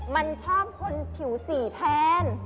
มันชอบคนผิวสีแทน